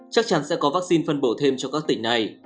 chắc chắn sẽ có vaccine phân bổ thêm cho các tỉnh này